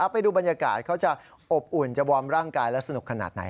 ไปดูบรรยากาศเขาจะอบอุ่นจะวอร์มร่างกายและสนุกขนาดไหน